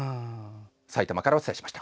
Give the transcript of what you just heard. さいたまからお伝えしました。